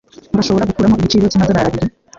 Urashobora gukuramo igiciro cyamadorari abiri?